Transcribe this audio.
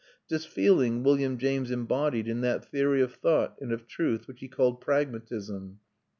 This feeling William James embodied in that theory of thought and of truth which he called pragmatism.